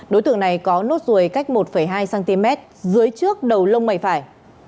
đối tượng này có nốt ruồi cách một hai cm dưới trước đầu lông mày phải